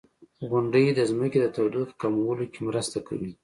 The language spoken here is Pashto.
• غونډۍ د ځمکې د تودوخې کمولو کې مرسته کوي.